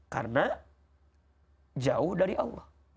karena jauh dari allah